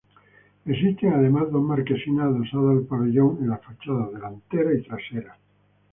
Existen además dos marquesinas adosadas al pabellón en las fachadas delantera y trasera.